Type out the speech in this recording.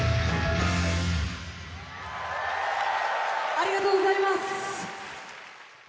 ありがとうございます！